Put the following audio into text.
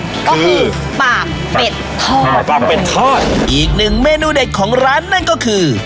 ก็คือปากเป็ดทอดอีกหนึ่งเมนูเด็ดของร้านนั่นก็คือ